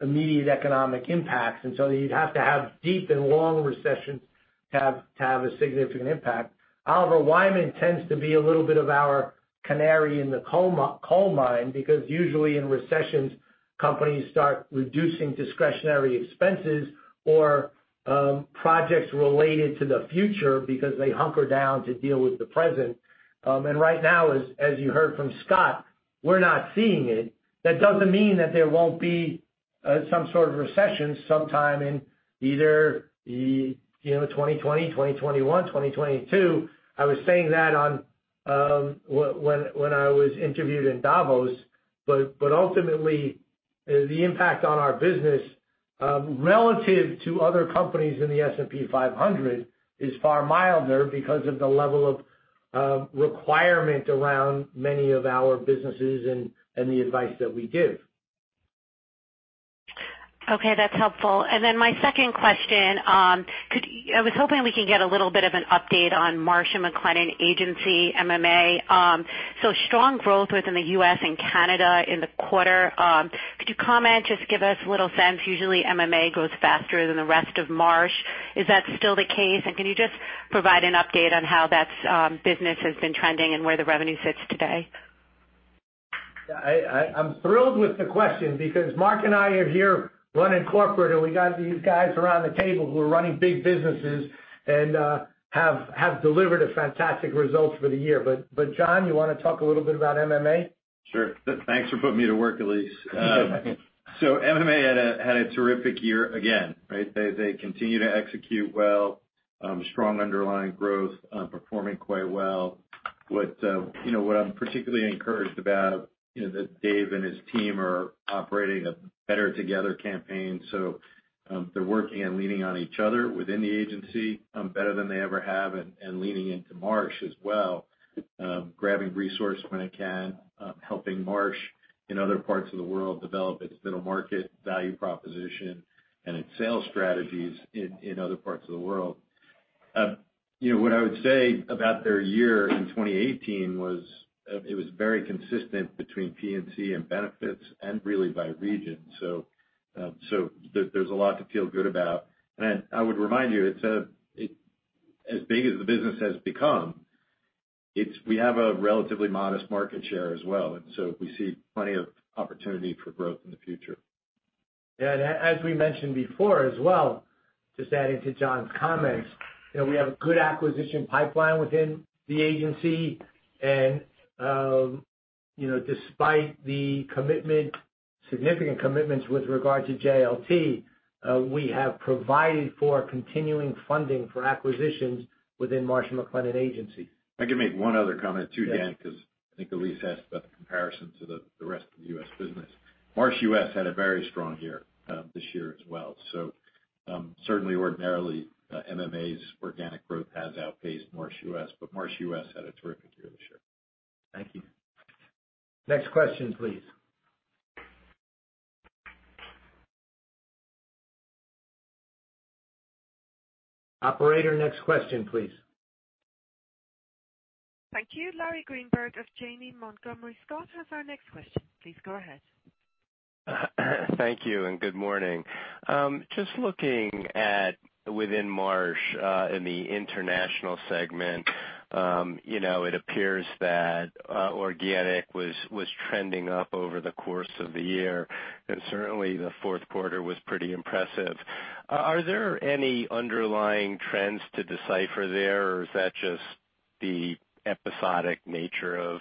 immediate economic impacts. So you'd have to have deep and long recession to have a significant impact. However, Wyman tends to be a little bit of our canary in the coal mine because usually in recessions, companies start reducing discretionary expenses or projects related to the future because they hunker down to deal with the present. Right now, as you heard from Scott, we're not seeing it. That doesn't mean that there won't be some sort of recession sometime in either 2020, 2021, 2022. When I was interviewed in Davos. Ultimately, the impact on our business relative to other companies in the S&P 500 is far milder because of the level of requirement around many of our businesses and the advice that we give. My second question, I was hoping we could get a little bit of an update on Marsh & McLennan Agency, MMA. Strong growth within the U.S. and Canada in the quarter. Could you comment, just give us a little sense? Usually MMA grows faster than the rest of Marsh. Is that still the case? Can you just provide an update on how that business has been trending and where the revenue sits today? I'm thrilled with the question because Mark and I are here running corporate, and we got these guys around the table who are running big businesses and have delivered a fantastic result for the year. John, you want to talk a little bit about MMA? Sure. Thanks for putting me to work, Elyse. MMA had a terrific year again, right? They continue to execute well, strong underlying growth, performing quite well. What I'm particularly encouraged about is that Dave and his team are operating a Better Together campaign. They're working on leaning on each other within the agency better than they ever have, and leaning into Marsh as well, grabbing resource when it can, helping Marsh in other parts of the world develop its middle market value proposition and its sales strategies in other parts of the world. What I would say about their year in 2018 was, it was very consistent between P&C and benefits, and really by region. There's a lot to feel good about. I would remind you, as big as the business has become, we have a relatively modest market share as well. We see plenty of opportunity for growth in the future. As we mentioned before as well, just adding to John's comments, we have a good acquisition pipeline within the agency. Despite the significant commitments with regard to JLT, we have provided for continuing funding for acquisitions within Marsh & McLennan Agency. I can make one other comment too, Dan. Yes. I think Elyse asked about the comparison to the rest of the U.S. business. Marsh U.S. had a very strong year this year as well. Certainly ordinarily, MMA's organic growth has outpaced Marsh U.S., but Marsh U.S. had a terrific year this year. Thank you. Next question, please. Operator, next question, please. Thank you. Larry Greenberg of Janney Montgomery Scott has our next question. Please go ahead. Thank you. Good morning. Just looking at within Marsh, in the international segment, it appears that organic was trending up over the course of the year. Certainly the fourth quarter was pretty impressive. Are there any underlying trends to decipher there, or is that just the episodic nature of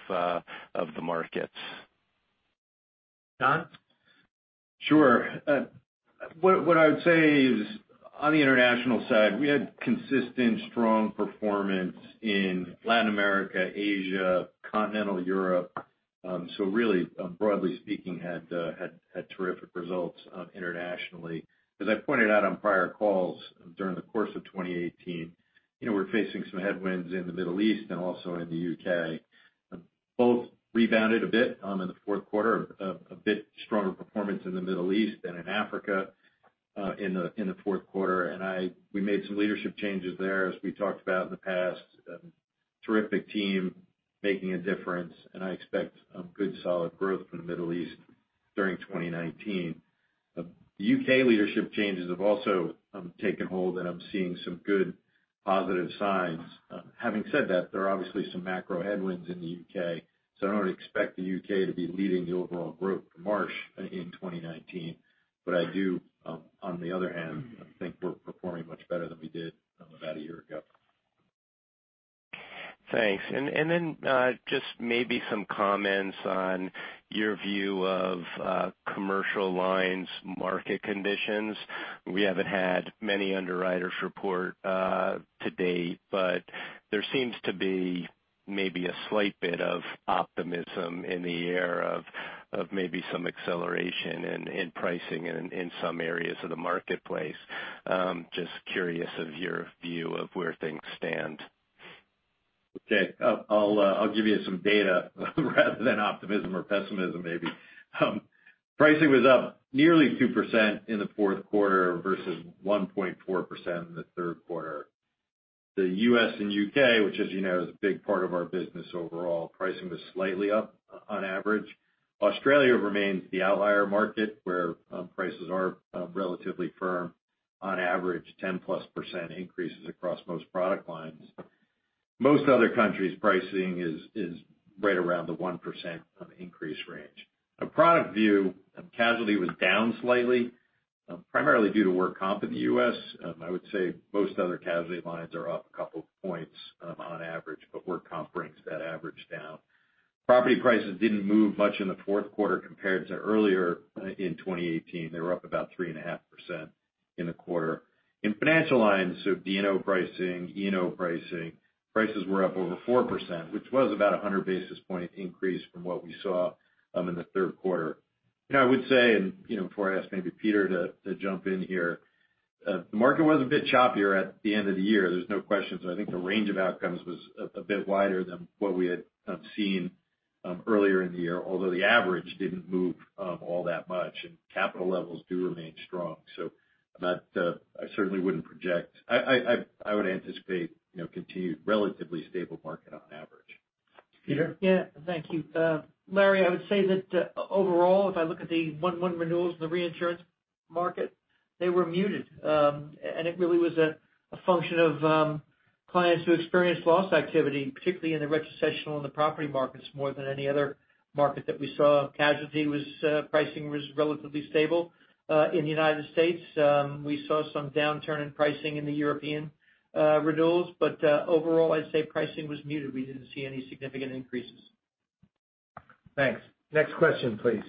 the markets? John? Sure. What I would say is on the international side, we had consistent strong performance in Latin America, Asia, continental Europe. Really, broadly speaking, had terrific results internationally. As I pointed out on prior calls during the course of 2018, we're facing some headwinds in the Middle East and also in the U.K. Both rebounded a bit in the fourth quarter, a bit stronger performance in the Middle East and in Africa in the fourth quarter. We made some leadership changes there as we talked about in the past. Terrific team making a difference, and I expect good solid growth for the Middle East during 2019. The U.K. leadership changes have also taken hold, and I'm seeing some good positive signs. Having said that, there are obviously some macro headwinds in the U.K. I don't expect the U.K. to be leading the overall growth for Marsh in 2019. I do, on the other hand, I think we're performing much better than we did about a year ago. Thanks. Just maybe some comments on your view of commercial lines market conditions. We haven't had many underwriters report to date, but there seems to be maybe a slight bit of optimism in the air of maybe some acceleration in pricing in some areas of the marketplace. Just curious of your view of where things stand. Okay. I'll give you some data rather than optimism or pessimism, maybe. Pricing was up nearly 2% in the fourth quarter versus 1.4% in the third quarter. The U.S. and U.K., which as you know, is a big part of our business overall, pricing was slightly up on average. Australia remains the outlier market, where prices are relatively firm on average, 10-plus % increases across most product lines. Most other countries' pricing is right around the 1% increase range. A product view, casualty was down slightly, primarily due to work comp in the U.S. I would say most other casualty lines are up a couple of points on average, but work comp brings that average down. Property prices didn't move much in the fourth quarter compared to earlier in 2018. They were up about 3.5% in the quarter. In financial lines, D&O pricing, E&O pricing, prices were up over 4%, which was about 100 basis point increase from what we saw in the third quarter. I would say, before I ask maybe Peter to jump in here, the market was a bit choppier at the end of the year, there's no question. I think the range of outcomes was a bit wider than what we had seen earlier in the year, although the average didn't move all that much, and capital levels do remain strong. I certainly wouldn't project. I would anticipate continued relatively stable market on average. Peter? Yeah. Thank you. Larry, I would say that overall, if I look at the 1-1 renewals in the reinsurance market, they were muted. It really was a function of clients who experienced loss activity, particularly in the retrocessional and the property markets, more than any other market that we saw. Casualty pricing was relatively stable. In the U.S., we saw some downturn in pricing in the European renewals. Overall, I'd say pricing was muted. We didn't see any significant increases. Thanks. Next question, please.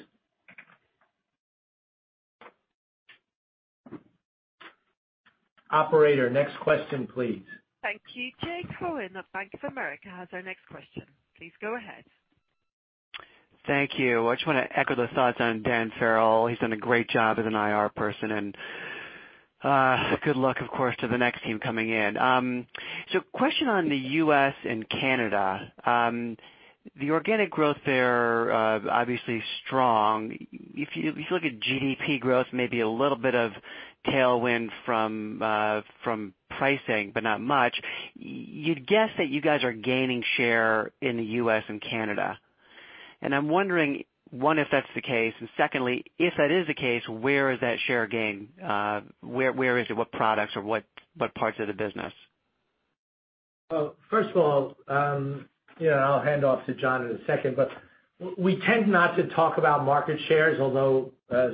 Operator, next question, please. Thank you. Jay Cohen of Bank of America has our next question. Please go ahead. Thank you. I just want to echo the thoughts on Dan Farrell. He's done a great job as an IR person. Good luck, of course, to the next team coming in. Question on the U.S. and Canada. The organic growth there, obviously strong. If you look at GDP growth, maybe a little bit of tailwind from pricing, but not much. You'd guess that you guys are gaining share in the U.S. and Canada. I'm wondering, one, if that's the case, and secondly, if that is the case, where is that share gain? Where is it? What products or what parts of the business? First of all, I'll hand off to John in a second, we tend not to talk about market shares, although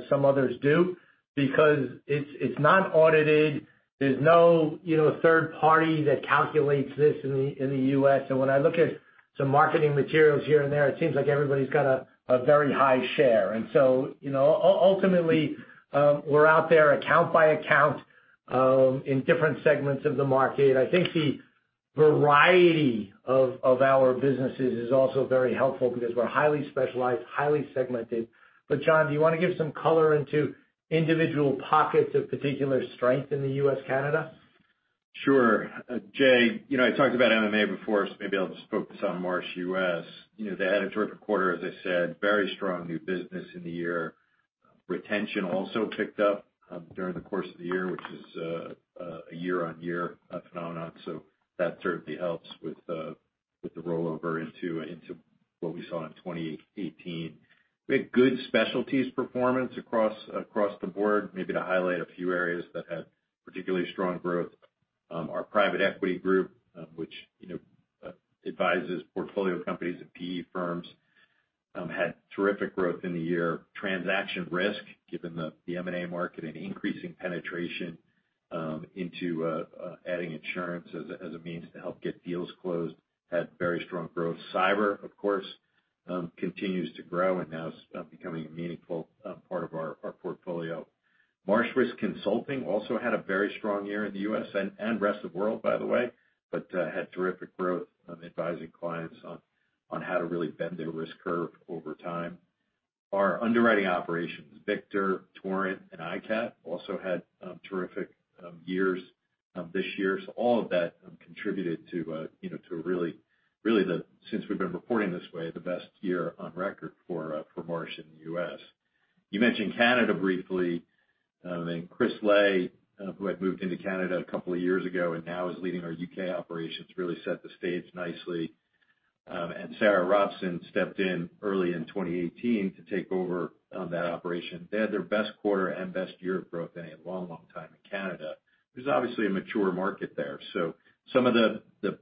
some others do, because it's not audited. There's no third party that calculates this in the U.S. When I look at some marketing materials here and there, it seems like everybody's got a very high share. Ultimately, we're out there account by account, in different segments of the market. I think the variety of our businesses is also very helpful because we're highly specialized, highly segmented. John, do you want to give some color into individual pockets of particular strength in the U.S., Canada? Sure. Jay, I talked about MMA before, so maybe I'll just focus on Marsh U.S. They had a terrific quarter, as I said, very strong new business in the year. Retention also picked up during the course of the year, which is a year-on-year phenomenon. That certainly helps with the rollover into what we saw in 2018. We had good specialties performance across the board. Maybe to highlight a few areas that had particularly strong growth. Our private equity group, which advises portfolio companies and PE firms had terrific growth in the year. Transaction risk, given the M&A market and increasing penetration into adding insurance as a means to help get deals closed, had very strong growth. Cyber, of course, continues to grow and now is becoming a meaningful part of our portfolio. Marsh Risk Consulting also had a very strong year in the U.S. and rest of the world, by the way, but had terrific growth advising clients on how to really bend their risk curve over time. Our underwriting operations, Victor, Torrent, and ICAT, also had terrific years this year. All of that contributed to really the, since we've been reporting this way, the best year on record for Marsh in the U.S. You mentioned Canada briefly. I think Chris Lay, who had moved into Canada a couple of years ago and now is leading our U.K. operations, really set the stage nicely. Sarah Robson stepped in early in 2018 to take over that operation. They had their best quarter and best year of growth in a long, long time in Canada. There's obviously a mature market there. Some of the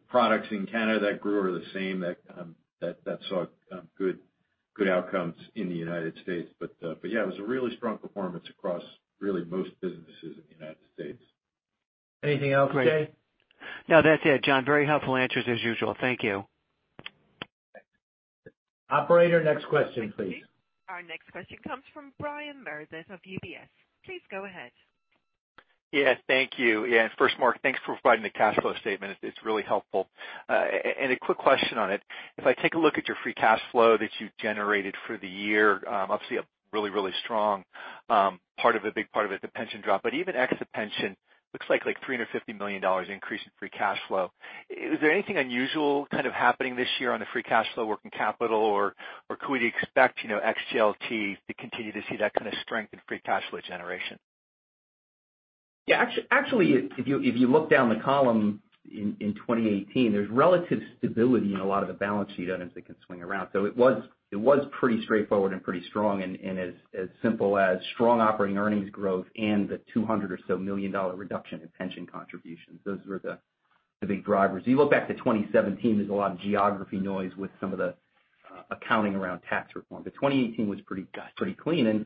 products in Canada that grew are the same that saw good outcomes in the United States. Yeah, it was a really strong performance across really most businesses in the United States. Anything else, Jay? No, that's it, John. Very helpful answers as usual. Thank you. Operator, next question, please. Thank you. Our next question comes from Brian Meredith of UBS. Please go ahead. Thank you. First, Mark, thanks for providing the cash flow statement. It's really helpful. A quick question on it. If I take a look at your free cash flow that you generated for the year, obviously a really, really strong part of it, the pension drop. Even ex the pension, looks like $350 million increase in free cash flow. Is there anything unusual kind of happening this year on the free cash flow working capital, or could we expect ex JLT to continue to see that kind of strength in free cash flow generation? Actually, if you look down the column in 2018, there's relative stability in a lot of the balance sheet items that can swing around. It was pretty straightforward and pretty strong, and as simple as strong operating earnings growth and the $200 or so million reduction in pension contributions. Those were the big drivers. You look back to 2017, there's a lot of geography noise with some of the accounting around tax reform. 2018 was pretty clean.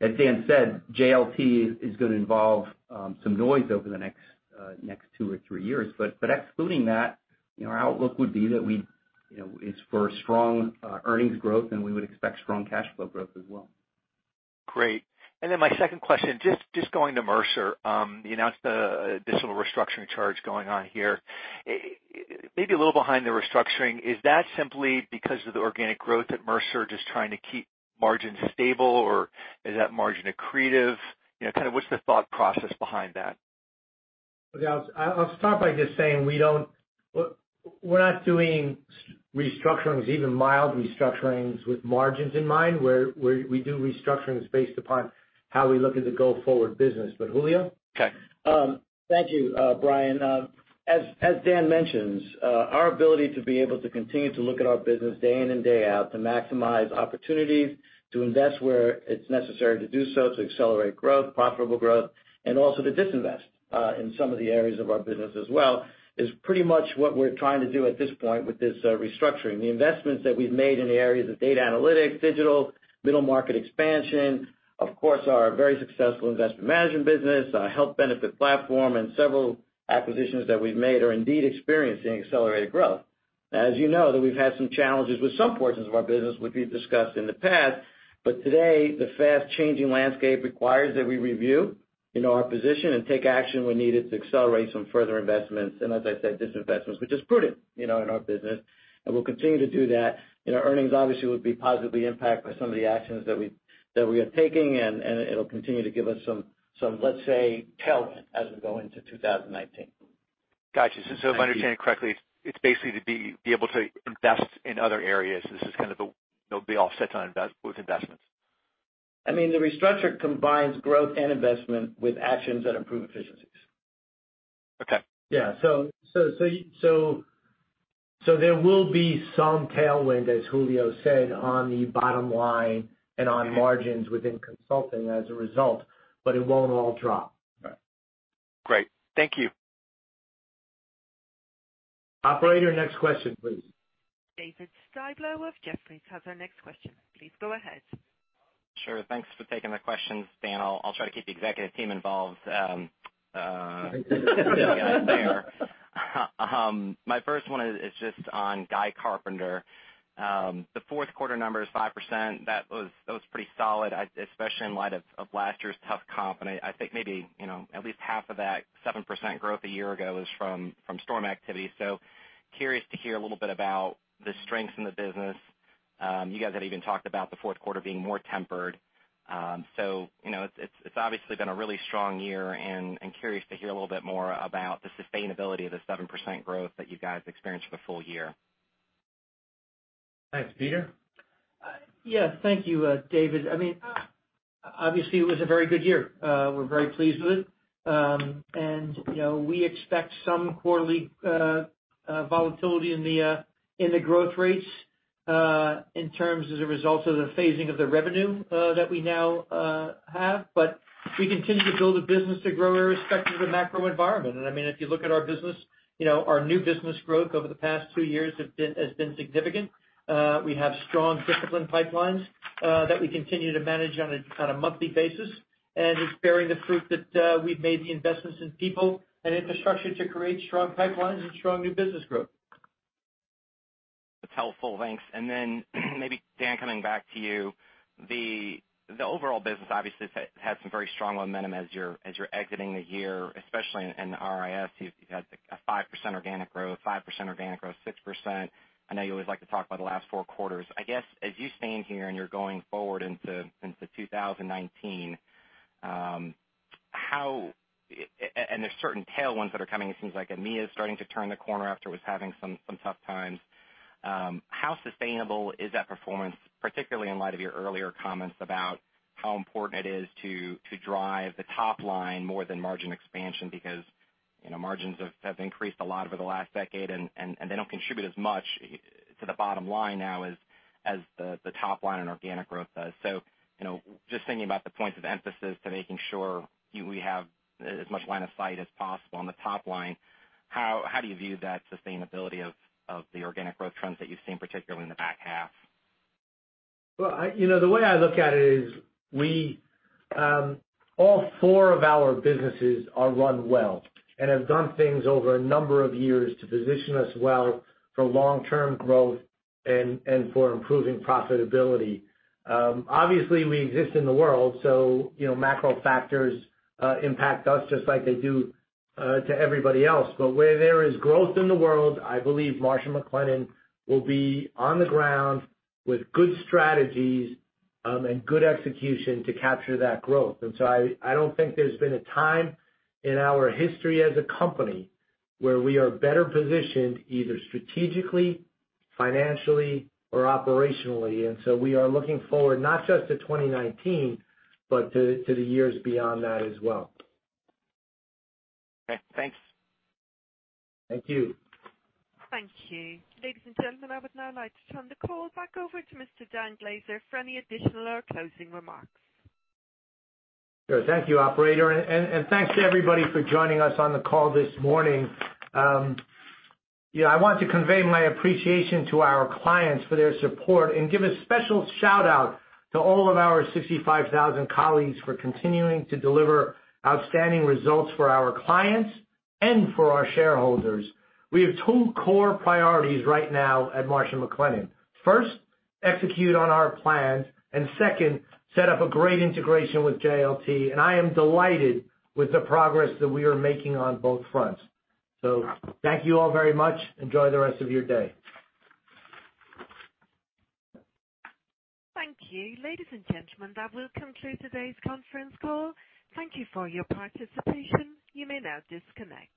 As Dan said, JLT is going to involve some noise over the next two or three years. Excluding that, our outlook would be that it's for strong earnings growth, and we would expect strong cash flow growth as well. Great. My second question, just going to Mercer. You announced the additional restructuring charge going on here. Maybe a little behind the restructuring, is that simply because of the organic growth at Mercer, just trying to keep margins stable, or is that margin accretive? What's the thought process behind that? Okay. I'll start by just saying we're not doing restructurings, even mild restructurings, with margins in mind. We do restructurings based upon how we look at the go-forward business. Julio? Okay. Thank you, Brian. As Dan mentions, our ability to be able to continue to look at our business day in and day out, to maximize opportunities, to invest where it's necessary to do so, to accelerate growth, profitable growth, and also to disinvest in some of the areas of our business as well, is pretty much what we're trying to do at this point with this restructuring. The investments that we've made in the areas of data analytics, digital, middle market expansion, of course, our very successful investment management business, our health benefit platform, and several acquisitions that we've made are indeed experiencing accelerated growth. As you know, that we've had some challenges with some portions of our business, which we've discussed in the past. Today, the fast-changing landscape requires that we review our position and take action when needed to accelerate some further investments and, as I said, disinvestments, which is prudent in our business. We'll continue to do that. Our earnings obviously will be positively impacted by some of the actions that we are taking, and it'll continue to give us some, let's say, tailwind as we go into 2019. Got you. Thank you. If I understand correctly, it's basically to be able to invest in other areas. This is the offset with investments. The restructure combines growth and investment with actions that improve efficiencies. Okay. Yeah. There will be some tailwind, as Julio said, on the bottom line and on margins within consulting as a result, but it won't all drop. Right. Great. Thank you. Operator, next question, please. David Styblo of Jefferies has our next question. Please go ahead. Thanks for taking the questions. Dan, I'll try to keep the executive team involved to keep you guys there. My first one is just on Guy Carpenter. The fourth quarter number is 5%. That was pretty solid, especially in light of last year's tough comp. I think maybe at least half of that 7% growth a year ago is from storm activity. Curious to hear a little bit about the strengths in the business. You guys have even talked about the fourth quarter being more tempered. It's obviously been a really strong year, and curious to hear a little bit more about the sustainability of the 7% growth that you guys experienced for the full year. Thanks. Peter? Yes. Thank you, David. Obviously, it was a very good year. We're very pleased with it. We expect some quarterly volatility in the growth rates in terms as a result of the phasing of the revenue that we now have. We continue to build a business to grow irrespective of the macro environment. If you look at our business, our new business growth over the past two years has been significant. We have strong, disciplined pipelines that we continue to manage on a monthly basis, and it's bearing the fruit that we've made the investments in people and infrastructure to create strong pipelines and strong new business growth. That's helpful. Thanks. Maybe, Dan, coming back to you, the overall business obviously has some very strong momentum as you're exiting the year, especially in the RIS. You've had a 5% organic growth, 6%. I know you always like to talk about the last four quarters. I guess, as you stand here and you're going forward into 2019, There's certain tailwinds that are coming. It seems like EMEA is starting to turn the corner after it was having some tough times. How sustainable is that performance, particularly in light of your earlier comments about how important it is to drive the top line more than margin expansion? Because margins have increased a lot over the last decade, and they don't contribute as much to the bottom line now as the top line and organic growth does. Just thinking about the points of emphasis to making sure we have as much line of sight as possible on the top line, how do you view that sustainability of the organic growth trends that you've seen, particularly in the back half? The way I look at it is all four of our businesses are run well and have done things over a number of years to position us well for long-term growth and for improving profitability. Obviously, we exist in the world, so macro factors impact us just like they do to everybody else. Where there is growth in the world, I believe Marsh & McLennan will be on the ground with good strategies and good execution to capture that growth. I don't think there's been a time in our history as a company where we are better positioned either strategically, financially, or operationally. We are looking forward not just to 2019, but to the years beyond that as well. Okay, thanks. Thank you. Thank you. Ladies and gentlemen, I would now like to turn the call back over to Mr. Dan Glaser for any additional or closing remarks. Thank you, operator, thanks everybody for joining us on the call this morning. I want to convey my appreciation to our clients for their support and give a special shout-out to all of our 65,000 colleagues for continuing to deliver outstanding results for our clients and for our shareholders. We have two core priorities right now at Marsh & McLennan. First, execute on our plans, second, set up a great integration with JLT, I am delighted with the progress that we are making on both fronts. Thank you all very much. Enjoy the rest of your day. Thank you. Ladies and gentlemen, that will conclude today's conference call. Thank you for your participation. You may now disconnect.